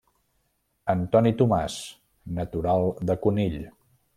Antoni Tomàs, natural de Conill.